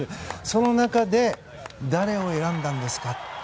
その中で、誰を選んだんですか？